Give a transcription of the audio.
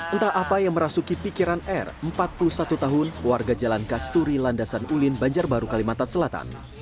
entah apa yang merasuki pikiran r empat puluh satu tahun warga jalan kasturi landasan ulin banjarbaru kalimantan selatan